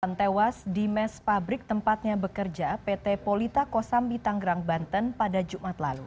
korban tewas di mes pabrik tempatnya bekerja pt polita kosambi tanggerang banten pada jumat lalu